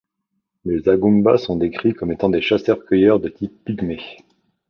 Les Agumba sont décrits comme étant des chasseurs-cueilleurs de type pygmée.